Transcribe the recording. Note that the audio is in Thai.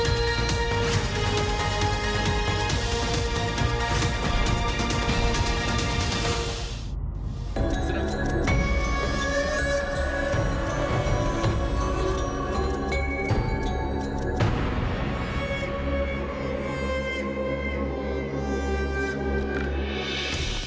ตอบมาเป็นให้รับคำตอบ